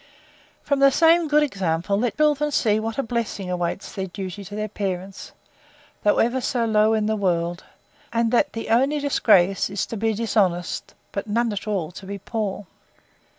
From the same good example, let children see what a blessing awaits their duty to their parents, though ever so low in the world; and that the only disgrace, is to be dishonest; but none at all to be poor.